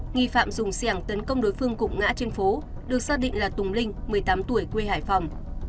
nghị phạm dùng xe hàng tấn công đối phương cụng ngã trên phố được xác định là tùng linh một mươi tám tuổi quê hải phòng